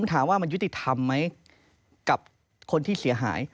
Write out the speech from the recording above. ถามว่ามันยุติธรรมไหมกับคนที่เสียหาย